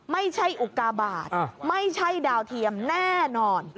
ไม่ใช่อุกกาบาทไม่ใช่ดาวเทียมแน่นอน